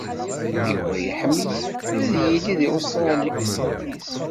Yuba iḥemmel ad yili di Lustṛali.